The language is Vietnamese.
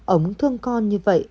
ổng thương con như vậy